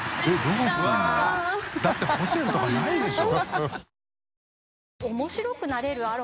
だってホテルとかないでしょ？